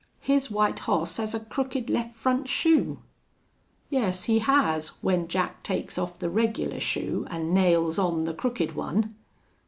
His white hoss has a crooked left front shoe." "Yes, he has, when Jack takes off the regular shoe an' nails on the crooked one....